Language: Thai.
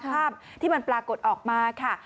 ภาพที่มันปรากฏออกมาค่ะ